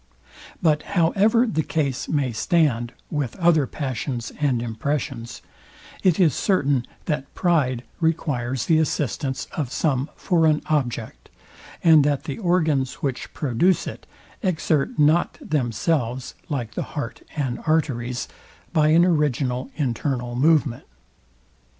But however the case may stand with other passions and impressions, it is certain, that pride requires the assistance of some foreign object, and that the organs, which produce it, exert not themselves like the heart and arteries, by an original internal movement.